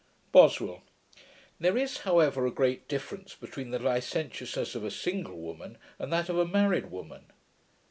BOSWELL. 'There is, however, a great difference between the licentiousness of a single woman, and that of a married woman.'